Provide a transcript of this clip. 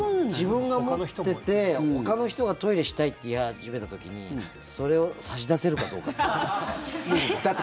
自分が持っててほかの人がトイレしたいって言い始めた時にそれを差し出せるかどうかだと。